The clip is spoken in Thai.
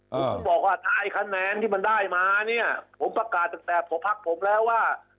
ผมถึงบอกว่าถ้าไอ้คะแนนที่มันได้มาเนี่ยผมประกาศตั้งแต่หัวพักผมแล้วว่า